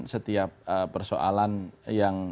setiap persoalan yang